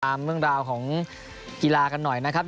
เรื่องราวของกีฬากันหน่อยนะครับ